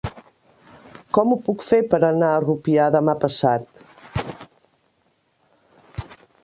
Com ho puc fer per anar a Rupià demà passat?